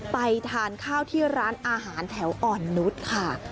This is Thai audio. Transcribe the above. ไปทานข้าวที่ร้านอาหารแถวอ่อนนุษย์ค่ะ